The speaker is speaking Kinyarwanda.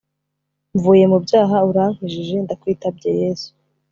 Mvuye mu byaha urankijije ndakwitabye yesu